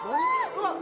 うわっ！